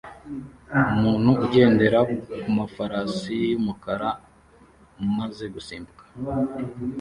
Umuntu ugendera kumafarasi yumukara umaze gusimbuka